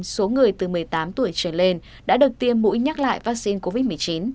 số người từ một mươi tám tuổi trở lên đã được tiêm mũi nhắc lại vaccine covid một mươi chín